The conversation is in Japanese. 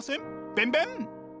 ベンベン！